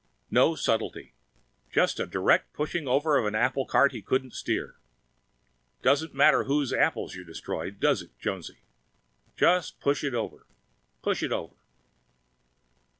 No subtlety! Just a direct pushing over an applecart he couldn't steer! Doesn't matter whose apples you destroy, does it, Jonesy? Just push it over push it over!